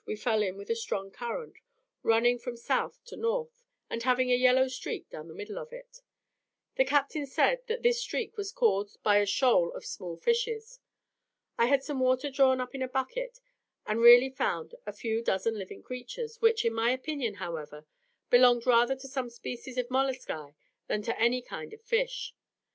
we fell in with a strong current, running from south to north, and having a yellow streak down the middle of it. The captain said that this streak was caused by a shoal of small fishes. I had some water drawn up in a bucket, and really found a few dozen living creatures, which, in my opinion, however, belonged rather to some species of molluscae than to any kind of fish.